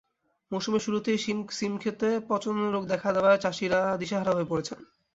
মৌসুমের শুরুতেই শিমখেতে পচন রোগ দেখা দেওয়ায় চাষিরা দিশেহারা হয়ে পড়েছেন।